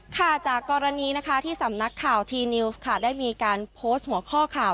ค่ะจากกรณีนะคะที่สำนักข่าวทีนิวส์ค่ะได้มีการโพสต์หัวข้อข่าว